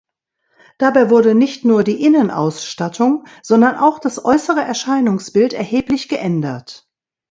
Dabei wurde nicht nur die Innenausstattung, sondern auch das äußere Erscheinungsbild erheblich geändert.